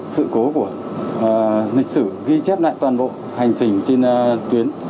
sự cố của lịch sử ghi chép lại toàn bộ hành trình trên tuyến